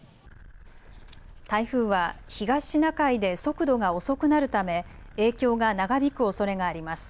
台風は東シナ海で速度が遅くなるため影響が長引くおそれがあります。